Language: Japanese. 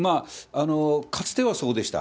かつてはそうでした。